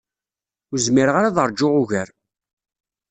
Ur zmireɣ ara ad rǧuɣ ugar.